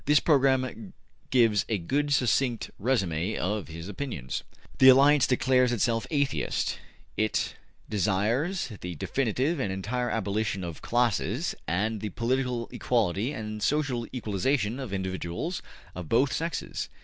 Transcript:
This program gives a good succinct resume of his opinions: The Alliance declares itself atheist; it desires the definitive and entire abolition of classes and the political equality and social equalization of individuals of both sexes.